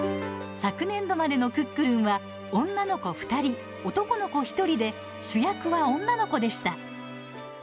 昨年度までのクックルンは女の子２人、男の子１人で主役は女の子でした。